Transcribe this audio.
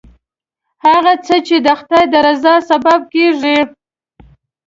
هغه څه چې د خدای د رضایت سبب کېږي.